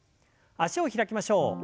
脚を開きましょう。